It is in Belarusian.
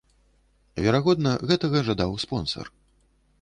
Верагодна, гэтага жадаў спонсар.